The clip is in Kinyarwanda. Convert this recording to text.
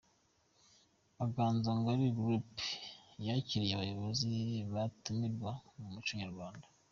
Inganzo Ngali group yakiriye abayobozi n’abatumirwa mu muco nyarwanda.